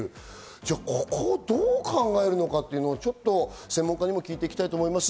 ではここをどう考えるのかを専門家にも聞いていきたいと思います。